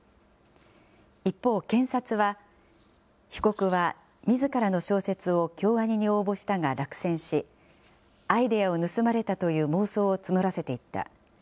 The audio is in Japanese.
一方、検察は、被告はみずからの小説を京アニに応募したが落選し、アイデアを盗まれたという妄想を募らせていった。